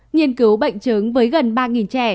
nghiên cứu bệnh chứng với gần ba trẻ